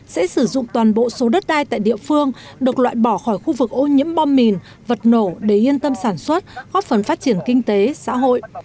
sẽ sử dụng toàn bộ số đất đai tại địa phương được loại bỏ khỏi khu vực ô nhiễm bom mìn vật nổ để yên tâm sản xuất góp phần phát triển kinh tế xã hội